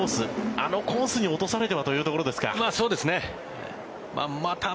あのコースに落とされてはというところですか。